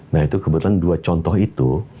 nah itu kebetulan dua contoh itu